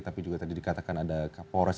tapi juga tadi dikatakan ada kapolres